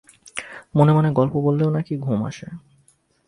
মনে-মনে গল্প বললেও নাকি ঘুম আসে।